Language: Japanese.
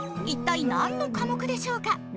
一体何の科目でしょうか？